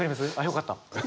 よかった。